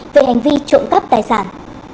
về hành vi trộm cắp tài sản